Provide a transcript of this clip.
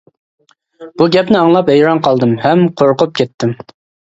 بۇ گەپنى ئاڭلاپ ھەيران قالدىم ھەم قورقۇپ كەتتىم.